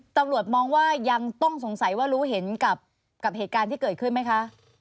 ตำรวจมองว่ายังต้องสงสัยว่ารู้เห็นกับเหตุการณ์ที่เกิดขึ้นไหมคะ